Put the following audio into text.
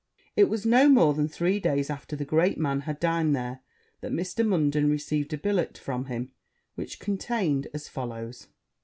It was no more than three days after the great man had dined there, that Mr. Munden received a billet from him, which contained as follows.